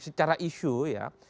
secara isu ya